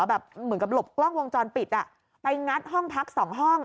แบบเหมือนกับหลบกล้องวงจรปิดไปงัดห้องพักสองห้อง